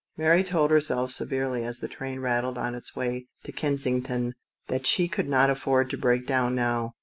Mary told herself severely, as the train rattled on its way to Kensington, that she could not afford to break down now.